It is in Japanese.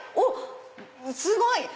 すごい！